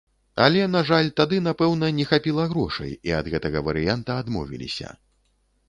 Але, на жаль, тады, напэўна, не хапіла грошай, і ад гэтага варыянта адмовіліся.